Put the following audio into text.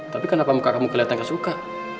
tapi kenapa muka kamu kelihatan gak suka